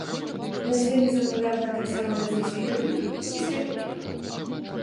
На сёння запланаваны таксама рыцарскі турнір і свята піва.